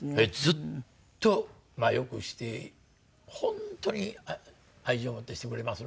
ずっと良くして本当に愛情を持ってしてくれますのでね